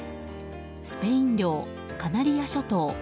スペイン領、カナリア諸島。